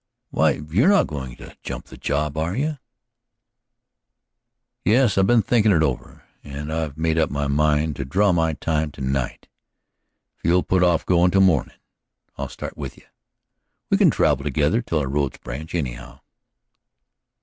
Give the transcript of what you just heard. "Why, you're not goin' to jump the job, are you?" "Yes, I've been thinkin' it over, and I've made up my mind to draw my time tonight. If you'll put off goin' till mornin', I'll start with you. We can travel together till our roads branch, anyhow."